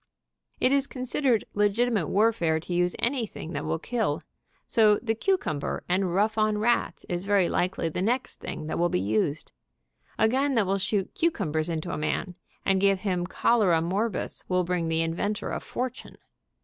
It is considered legitimate warfare to use anything that will kill, so the cucumber and rough on rats is very likely the next thing that will be used. A gun that will shoot cucumbers into a man, and give him cholera morbus, will bring the inventor a fortune.